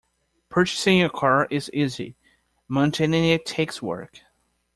Purchasing a car is easy, maintaining it takes work.